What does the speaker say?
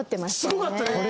すごかったね。